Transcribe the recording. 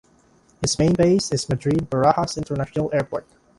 Its main base is Madrid Barajas International Airport.